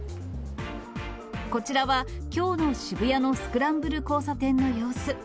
こちらはきょうの渋谷のスクランブル交差点の様子。